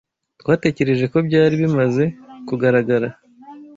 Twatekereje ko byari bimaze kugaragara.